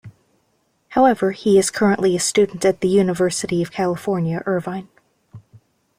However, he is currently a student at the University of California, Irvine.